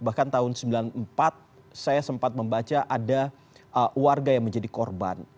bahkan tahun seribu sembilan ratus sembilan puluh empat saya sempat membaca ada warga yang menjadi korban